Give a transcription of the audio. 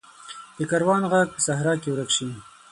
د کاروان ږغ په صحرا کې ورک شي.